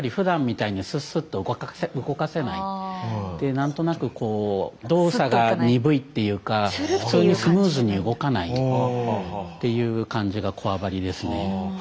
なんとなくこう動作が鈍いっていうかスムーズに動かないっていう感じがこわばりですね。